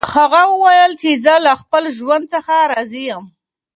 هغه وویل چې زه له خپل ژوند څخه راضي یم.